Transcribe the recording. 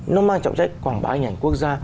nó mang trọng trách quảng bá hình ảnh quốc gia